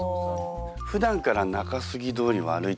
ふだんから中杉通りは歩いてるんですか？